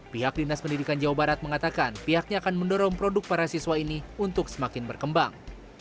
pihak dinas pendidikan jawa barat mengatakan pihaknya akan mendorong produk para siswa ini untuk semakin berkembang